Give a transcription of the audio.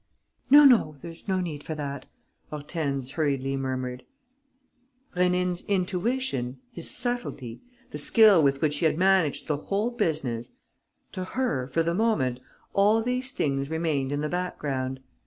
"No, no, there's no need for that," Hortense hurriedly murmured. Rénine's intuition, his subtlety, the skill with which he had managed the whole business: to her, for the moment, all these things remained in the background.